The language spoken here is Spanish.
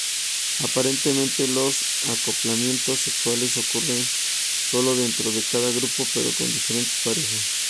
Aparentemente los acoplamientos sexuales ocurren solo dentro de cada grupo pero con diferentes parejas.